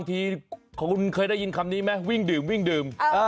นี่คุณเคยได้ยินคำนี้ไหมวิ่งดื่ม